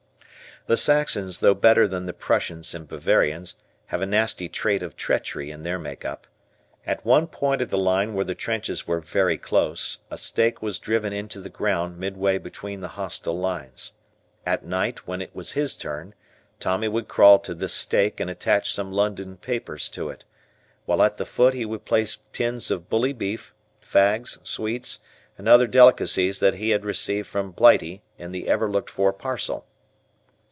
The Saxons, though better than the Prussians and Bavarians, have a nasty trait of treachery in their make up. At one point of the line where the trenches were very close, a stake was driven into the ground midway between the hostile lines. At night when it was his turn, Tommy would crawl to this stake and attach some London papers to it, while at the foot he would place tins of bully beef, fags, sweets, and other delicacies that he had received from Blighty in the ever looked for parcel.